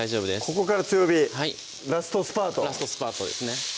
ここから強火ラストスパートラストスパートですね